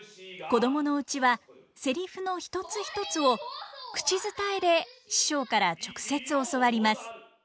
子供のうちはセリフの一つ一つを口伝えで師匠から直接教わります。